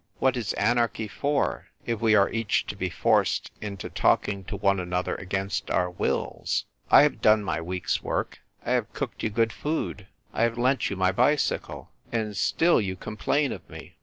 " What is anarchy for, if we are each to be forced into talking to one another against our wills ? I have donemy week's work ; I have cooked you good food ; I have lent you my bicycle ; and still A MUTINOUS MUTINEER. 79 you complain of me.